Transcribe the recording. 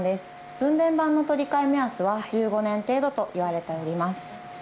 分電盤の取り替え目安は１５年程度といわれています。